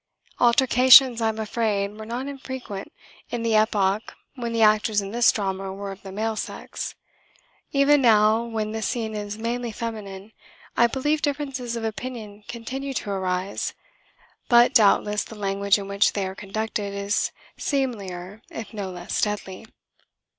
Altercations, I am afraid, were not infrequent in the epoch when the actors in this drama were of the male sex. (Even now, when the scene is mainly feminine, I believe differences of opinion continue to arise, but doubtless the language in which they are conducted is seemlier if no less deadly.)